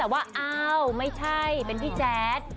ว่าอ้าวไม่ใช่เป็นพี่แจ็ค